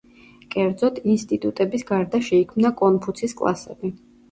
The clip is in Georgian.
კერძოდ „ინსტიტუტების“ გარდა შეიქმნა კონფუცის „კლასები“.